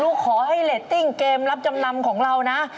ขอให้เรตติ้งเกมรับจำนำของเรานะ